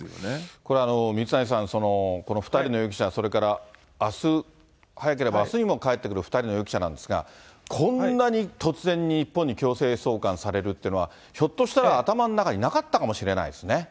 これ、水谷さん、この２人の容疑者、それからあす、早ければあすにも帰ってくる２人の容疑者なんですが、こんなに突然に日本に強制送還されるっていうのは、ひょっとしたら頭の中になかったかもしれないですね。